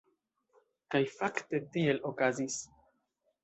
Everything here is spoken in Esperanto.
Kaj fakte tiel okazis.